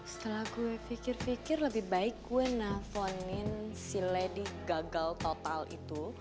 setelah gue pikir pikir lebih baik kue naflonin si lady gagal total itu